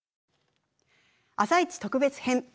「あさイチ」特別編